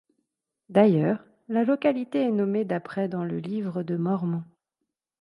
D'ailleurs, la localité est nommée d'après dans le Livre de Mormon.